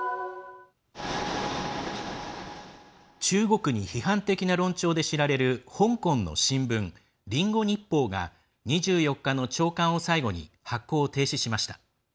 中国に批判的な論調で知られる香港の新聞、リンゴ日報が２４日の朝刊を最後に発行を停止しました。